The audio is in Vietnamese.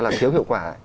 là thiếu hiệu quả